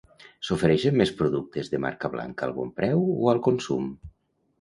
S'ofereixen més productes de marca blanca al Bonpreu o al Consum?